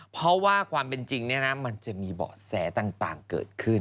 เพราะว่าความเป็นจริงมันจะมีเบาะแสต่างเกิดขึ้น